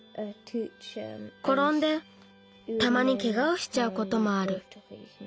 ころんでたまにケガをしちゃうこともある。